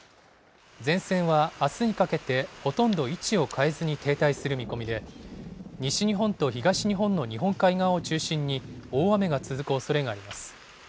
前線はあすにかけてほとんど位置を変えずに停滞する見込みで、西日本と東日本の日本海側を中心に大雨が続くおそれがあります。